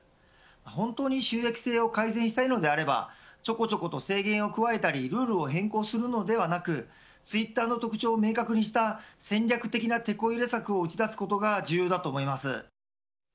本当に収益性を改善したいのであればちょこちょこと制限を加えたりルールを変更するのではなくツイッターの特徴を明確にした戦略的なてこ入れ策を打ち出すことが重要だと思います。